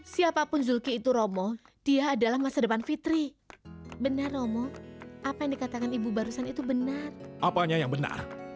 sampai jumpa di video selanjutnya